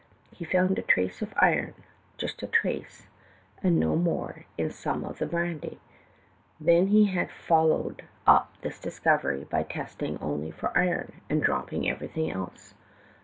"He found a trace of iron, just a trace, and no more, in some of the brandy. Then he had fol lowed up this diseovery by testing only for iron, and dropping everything else.